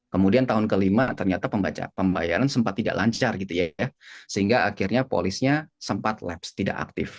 kemudian tahun kelima ternyata pembayaran sempat tidak lancar gitu ya sehingga akhirnya polisnya sempat laps tidak aktif